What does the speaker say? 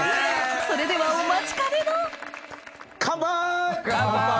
それではお待ちかねのカンパイ！